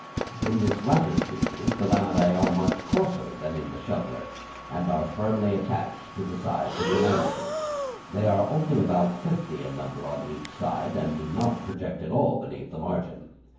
In this latter species the lamellæ are much coarser than in the shoveller, and are firmly attached to the sides of the mandible; they are only about fifty in number on each side, and do not project at all beneath the margin.